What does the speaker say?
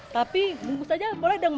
tapi mungkus aja boleh dong bu